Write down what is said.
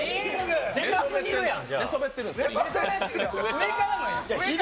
でかすぎるやん。